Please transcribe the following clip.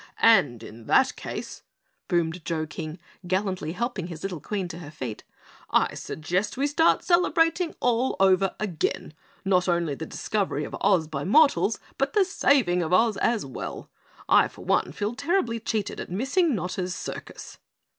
"And in that case," boomed Joe King, gallantly helping his little Queen to her feet, "I suggest we start celebrating all over again, not only the discovery of Oz by mortals, but the saving of Oz as well! I, for one, feel terribly cheated at missing Notta's circus."